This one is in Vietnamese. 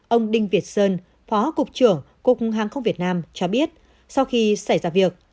ông đinh việt sơn phó cục trưởng cục hàng không việt nam cho biết sau khi xảy ra việc